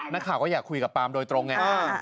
นักข่าวก็อยากคุยกับปามโดยตรงไง